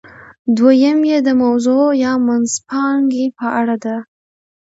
دویم یې د موضوع یا منځپانګې په اړه ده.